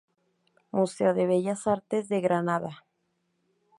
Museo de Bellas Artes de Granada